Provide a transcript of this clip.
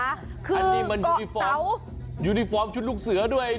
อันนี้มันยูนิฟอร์มชุดลูกเสือด้วย